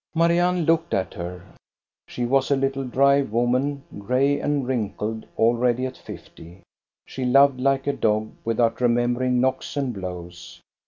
Marianne looked at her. She was a little, dry woman, gray and wrinkled already at fifty. She loved like a dog, without remembering knocks and blows.